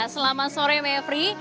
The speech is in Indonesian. selamat sore mevri